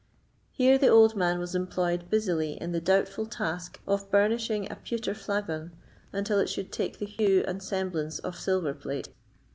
Here the old man was employed busily in the doubtful task of burnishing a pewter flagon until it should take the hue and semblance of silver plate.